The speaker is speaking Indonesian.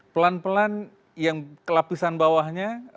pelan pelan yang kelapisan bawahnya